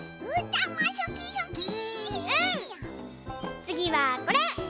つぎはこれ！